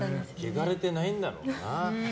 汚れてないんだろうな。